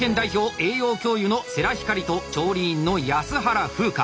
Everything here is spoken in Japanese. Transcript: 栄養教諭の世良光と調理員の安原風花。